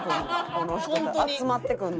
この人ら集まってくるの？